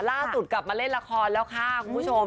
ล่าสุดกลับมาเล่นละครแล้วค่ะคุณผู้ชม